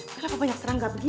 kenapa banyak serang gak begini